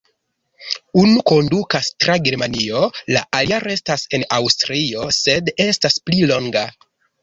Unu kondukas tra Germanio, la alia restas en Aŭstrio, sed estas pli longa.